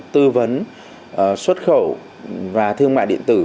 tư vấn xuất khẩu và thương mại điện tử